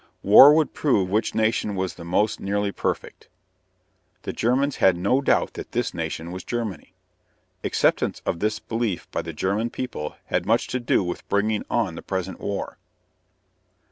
War would prove which nation was the most nearly perfect. The Germans had no doubt that this nation was Germany. Acceptance of this belief by the German people had much to do with bringing on the present war.